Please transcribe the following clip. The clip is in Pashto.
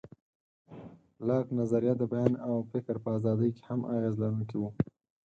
لاک نظریه د بیان او فکر په ازادۍ کې هم اغېز لرونکی و.